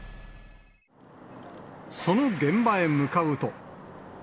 その現場へ向かうと。